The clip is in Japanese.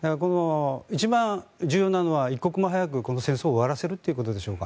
一番重要なのは一刻も早くこの戦争を終わらせるということでしょうか。